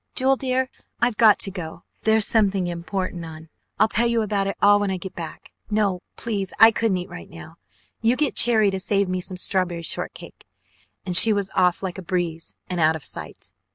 "Jewel, dear, I've got to go; there's something important on I'll tell you about it all when I get back. No, please, I couldn't eat now. You get Cherry to save me some strawberry shortcake." And she was off like a breeze and out of sight.